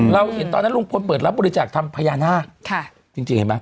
เราเห็นตอนนั้นลุงพลเปิดรับบริจาคทำพญานาคจริงเห็นไหม